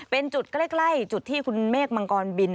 เป็นจุดใกล้จุดที่คุณเมฆมังกรบิน